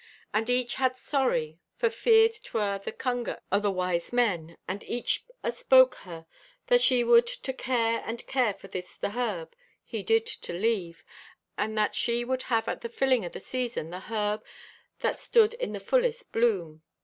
And each had sorry, for feared 'twer the cunger o' the wise men, and each aspoke her that she would to care and care for this the herb he did to leave, and that she would have at the fulling o' the season the herb that stood at the fullest bloom.